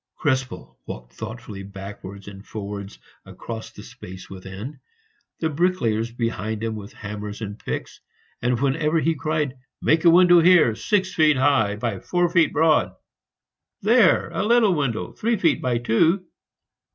Krespel walked thoughtfully backwards and forwards across the space within, the bricklayers behind him with hammers and picks, and wherever he cried, "Make a window here, six feet high by four feet broad!" "There a little window, three feet by two!"